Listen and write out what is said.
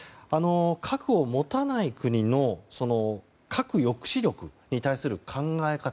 核を持たない国の核抑止力に対する考え方